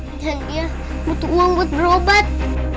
dan dia butuh uang buat berobat